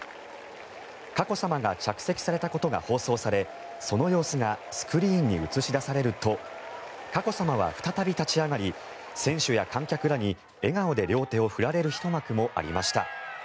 佳子さまが着席されたことが放送されその様子がスクリーンに映し出されると佳子さまは再び立ち上がり選手や観客らに笑顔で両手を振られるひと幕もありました。